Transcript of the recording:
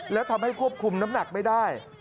แล้วทำให้ควบคุมน้ำหนักไม่ได้